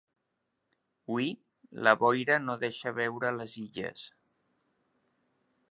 Hui la boira no deixa veure les Illes.